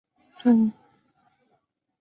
桥街碘泡虫为碘泡科碘泡虫属的动物。